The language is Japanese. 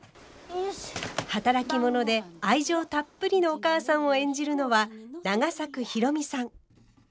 働き者で愛情たっぷりのお母さんを演じるのは永作博美さん。